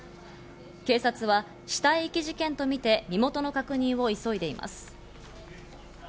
警察は死体遺棄事件とみて身元の確認を急いでいます。